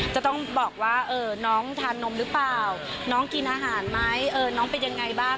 จะต้องบอกว่าน้องทานนมหรือเปล่าน้องกินอาหารไหมน้องเป็นยังไงบ้าง